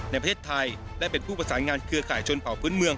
ในประเทศไทยและเป็นผู้ประสานงานเครือข่ายชนเผ่าพื้นเมือง